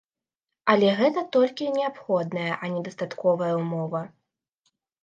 Але гэта толькі неабходная, а не дастатковая ўмова.